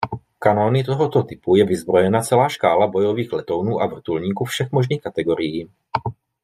Kanóny tohoto typu je vyzbrojena celá škála bojových letounů a vrtulníků všech možných kategorií.